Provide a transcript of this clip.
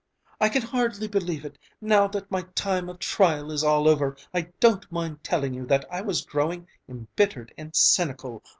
"I can hardly believe it! Now that my time of trial is all over I don't mind telling you that I was growing embittered and cynical.